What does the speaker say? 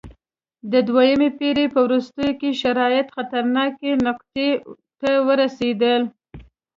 د دویمې پېړۍ په وروستیو کې شرایط خطرناکې نقطې ته ورسېدل